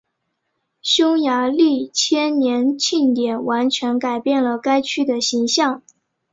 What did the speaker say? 匈牙利千年庆典完全改变了该区的形象。